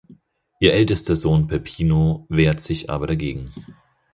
Ihr ältester Sohn Peppino wehrt sich aber dagegen.